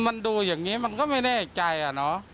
มันดูอย่างนี้มันก็ไม่แน่ใจอะเนาะ